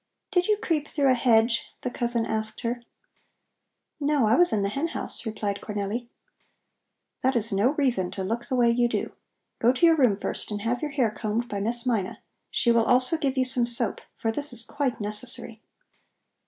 "Did you creep through a hedge?" the cousin asked her. "No, I was in the hen house," replied Cornelli. "That is no reason to look the way you do. Go to your room first and have your hair combed by Miss Mina. She will also give you some soap, for this is quite necessary."